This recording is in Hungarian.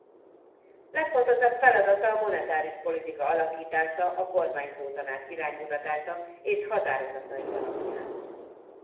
Legfontosabb feladata a monetáris politika alakítása a Kormányzótanács iránymutatása és határozatai alapján.